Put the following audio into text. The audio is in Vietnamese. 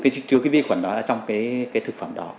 chứa vi khuẩn đó trong thực phẩm đó